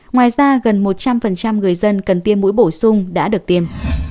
ngoài ra gần một trăm linh người dân cần tiêm mũi bổ sung đã được tiêm